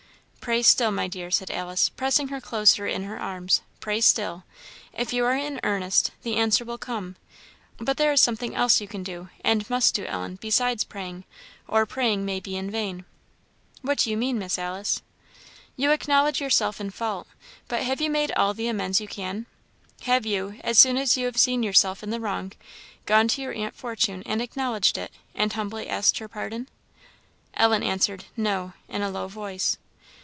"Pray still, my dear," said Alice, pressing her closer in her arms "pray still; if you are in earnest, the answer will come. But there is something else you can do, and must do, Ellen, besides praying, or praying may be in vain." "What do you mean, Miss Alice?" "You acknowledge yourself in fault; have you made all the amends you can? Have you, as soon as you have seen yourself in the wrong, gone to your aunt Fortune and acknowledged it, and humbly asked her pardon?" Ellen answered "No" in a low voice.